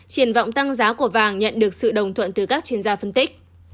triển vọng tăng giá của vàng nhận được sự đồng thuận từ các chuyên gia phân tích